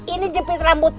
ini jepit rambut